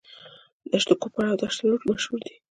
دشت کویر او دشت لوت مشهورې دي.